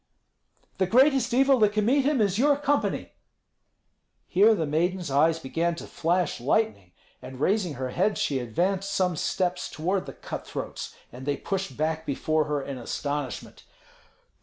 "The greatest evil that can meet him is your company." Here the maiden's eyes began to flash lightning, and raising her head she advanced some steps toward the cutthroats, and they pushed back before her in astonishment.